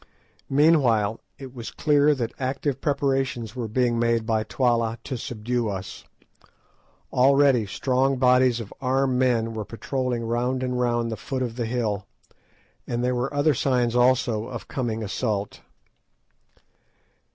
Meanwhile, it was clear that active preparations were being made by Twala to subdue us. Already strong bodies of armed men were patrolling round and round the foot of the hill, and there were other signs also of coming assault.